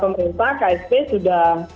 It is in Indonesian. pemerintah ksp sudah